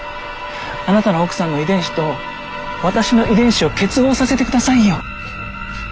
あなたの奥さんの遺伝子と私の遺伝子を結合させてくださいよ。